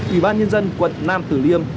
ủy ban nhân dân quận nam thử liêm